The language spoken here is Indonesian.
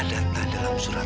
data data dalam surat